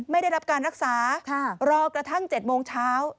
ไม่ได้รับการรักษารอกระทั่ง๗โมงเช้า